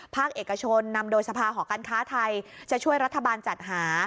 ภาคเอกชนนำโดยสภาหอการค้าไทยจะช่วยรัฐบาลจัดหา